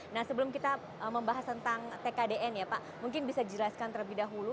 nah sebelum kita membahas tentang tkdn ya pak mungkin bisa dijelaskan terlebih dahulu